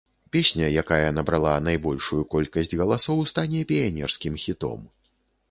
Песня, якая набрала найбольшую колькасць галасоў, стане піянерскім хітом.